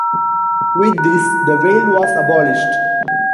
With this, the veil was abolished.